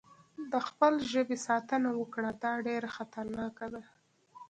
د خپل ژبې ساتنه وکړه، دا ډېره خطرناکه ده.